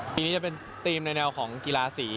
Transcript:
ปีนี้จะเป็นธีมในแนวของกีฬาสี